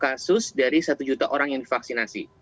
kasus dari satu juta orang yang divaksinasi